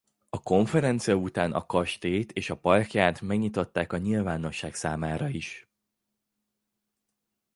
A konferencia után a kastélyt és parkját megnyitották a nyilvánosság számára is.